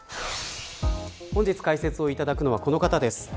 本日解説をいただくのはこの方です。